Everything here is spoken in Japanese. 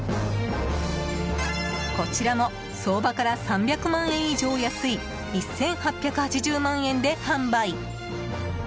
こちらも、相場から３００万円以上安い１８８０万円で販売！